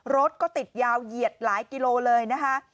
รถก็ติดยาวเหยียดหลายกิโลเลยนะคะ